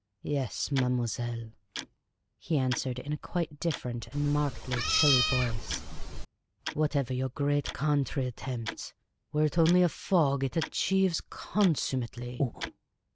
" Yes, mademoiselle," he answered, in quite a different and markedly chilly voice. *' Whatever your great country attempts — were it only a fog — it achieves consummately."